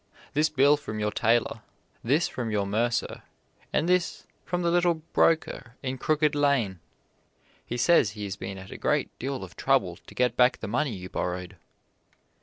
This bill from your tailor; this from your mercer; and this from the little broker in Crooked Lane. He says he has been at a great deal of trouble to get back the money you borrowed.